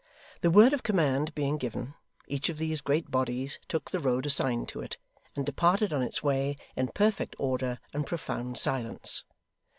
The word of command being given, each of these great bodies took the road assigned to it, and departed on its way, in perfect order and profound silence.